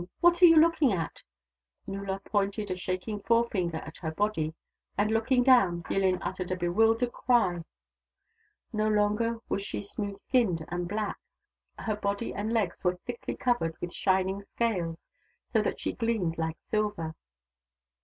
What are you looking at ?" NuUor pointed a shaking forefinger at her body, and looking down, Yillin uttered a bewildered cry No longer was she smooth skinned and black. Her body and legs were thickly covered with shining scales, so that she gleamed like silver.